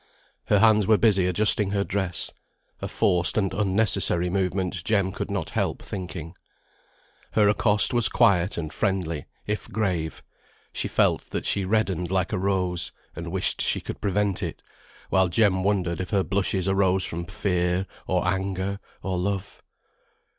Her hands were busy adjusting her dress; a forced and unnecessary movement Jem could not help thinking. Her accost was quiet and friendly, if grave; she felt that she reddened like a rose, and wished she could prevent it, while Jem wondered if her blushes arose from fear, or anger, or love.